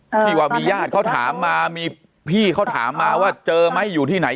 ที่ว่ามีญาติเขาถามมามีพี่เขาถามมาว่าเจอไหมอยู่ที่ไหน